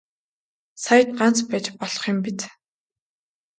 Саяд ганц байж болох юм биз.